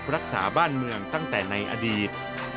รักษาบ้านเมืองตั้งแต่ในอดีต